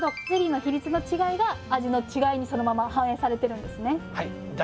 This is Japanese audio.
ゼリーの比率の違いが味の違いにそのまま反映されてるんですね。